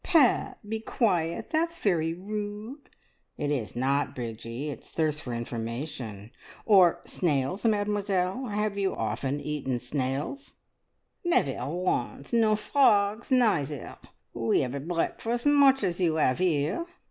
"Pat, be quiet! That's very rude." "It is not, Bridgie; it's thirst for information. Or snails, Mademoiselle? Have you often eaten snails?" "Never once, nor frogs neither. We have a breakfast much as you have here.